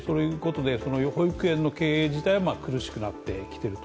保育園の経営自体は苦しくなってきている。